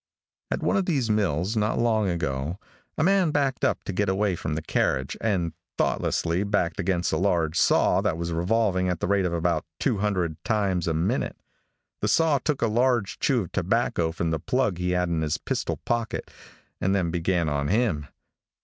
At one of these mills, not long ago, a man backed up to get away from the carriage, and thoughtlessly backed against a large saw that was revolving at the rate of about 200 times a minute. The saw took a large chew of tobacco from the plug he had in his pistol pocket, and then began on him.